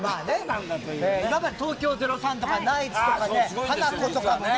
東京０３とか、ナイツとかハナコとかね